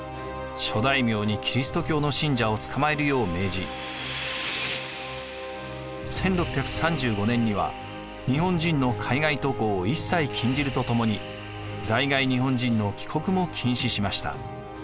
諸大名にキリスト教の信者を捕まえるよう命じ１６３５年には日本人の海外渡航を一切禁じるとともに在外日本人の帰国も禁止しました。